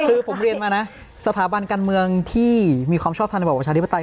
คือผมเรียนมานะสถาบันการเมืองที่มีความชอบทำระบบประชาธิปไตย